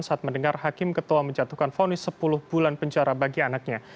saat mendengar hakim ketua menjatuhkan fonis sepuluh bulan penjara bagi anaknya